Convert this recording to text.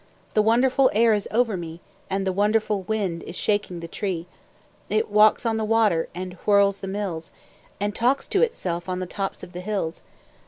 The wonderful air is over me, And the wonderful wind is shaking the tree; It walks on the water, and whirls the mills, And talks to itself on the tops of the hills.